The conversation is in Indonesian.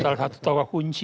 salah satu toko kunci